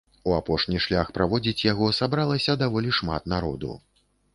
У апошні шлях праводзіць яго сабралася даволі шмат народу.